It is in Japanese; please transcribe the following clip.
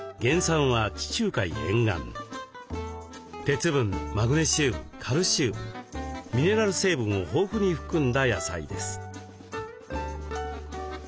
鉄分マグネシウムカルシウムミネラル成分を豊富に含んだ野菜です。